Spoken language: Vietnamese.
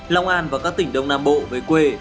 long an và các tỉnh đông nam bộ về quê